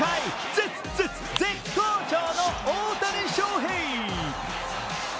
絶絶絶好調の大谷翔平。